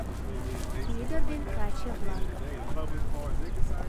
Ӱдыр ден каче-влак.